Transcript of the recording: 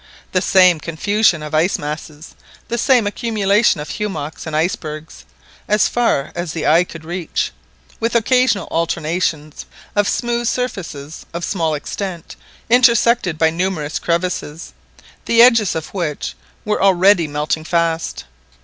The same confusion of ice masses, the same accumulation of hummocks and icebergs, as far as the eye could reach, with occasional alternations of smooth surfaces of small extent, intersected by numerous crevasses, the edges of which were already melting fast.